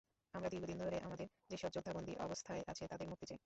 আমরা দীর্ঘদিন ধরে আমাদের যেসব যোদ্ধা বন্দী অবস্থায় আছে তাদের মুক্তি চাই।